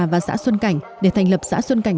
và xã xuân cảnh để thành lập xã xuân cảnh